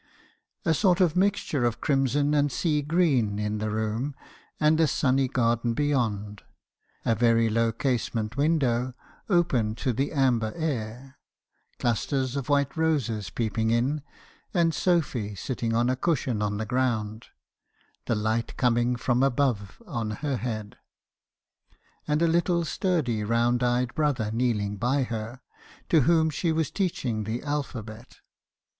A sort of mixture of crimson and sea green in the room, and a sunny garden beyond; a very low casement window, open to the amber air; clusters of white roses peeping in, and Sophy sitting on a cushion on the ground, the light coming from above on her head, and a little sturdy round eyed brother kneeling by her, to whom she was teaching the alphabet.